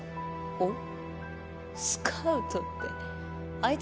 おっ？